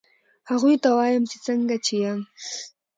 هغوی ته وایم چې څنګه چې یم